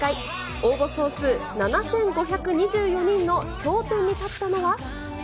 応募総数７５２４人の頂点に立ったのは。